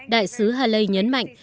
đại sứ haley nhấn mạnh